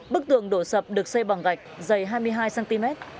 bức tường đổ sập được xây bằng gạch dày hai mươi hai cm